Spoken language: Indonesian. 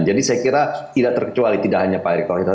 jadi saya kira tidak terkecuali tidak hanya pak erik thohir